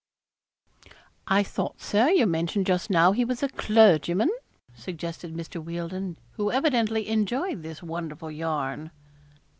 'I thought, Sir, you mentioned just now he was a clergyman,' suggested Mr. Wealdon, who evidently enjoyed this wonderful yarn.